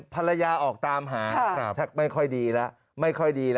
ภรรยาออกตามหาไม่ค่อยดีแล้ว